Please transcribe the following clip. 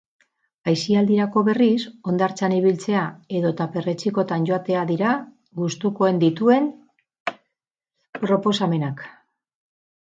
Aisialdirako, berriz, hondartzan ibiltzea edota perretxikotan joatea dira gustukoen dituen proposamenak.